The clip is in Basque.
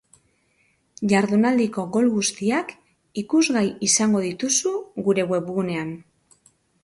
Jardunaldiko gol guztiak ikusgai izango dituzu gure webgunean.